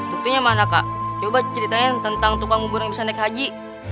buktinya mana kak coba ceritain tentang tukang bubur yang bisa naik haji